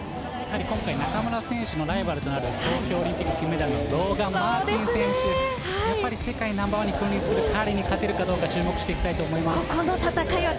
今回、中村選手のライバルとなる東京オリンピック金メダルのローガン選手、世界ナンバーワンに君臨する彼に勝てるかどうか注目したいと思います。